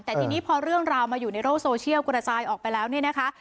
แต่ทีนี้พอเรื่องราวมาอยู่ในโลกโซเชียลกระจายออกไปแล้วเนี่ยนะคะ